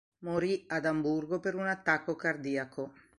Morì ad Amburgo per un attacco cardiaco.